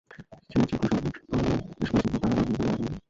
সে যে কুসংসর্গে পড়িয়া নেশা ধরিয়াছিল তাহা আমার মেয়েও কোনোদিন আমাকে বলে নাই।